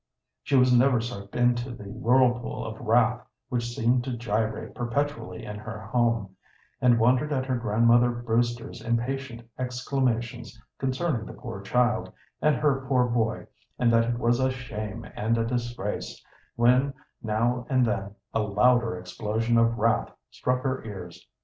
She was never sucked into the whirlpool of wrath which seemed to gyrate perpetually in her home, and wondered at her grandmother Brewster's impatient exclamations concerning the poor child, and her poor boy, and that it was a shame and a disgrace, when now and then a louder explosion of wrath struck her ears.